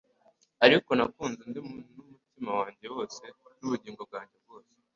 ariko nakunze undi n'umutima wanjye wose n'ubugingo bwanjye bwose,